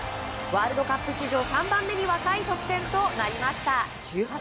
ワールドカップ史上３番目に若い得点となりました。